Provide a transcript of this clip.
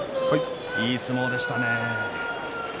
いい相撲でしたね。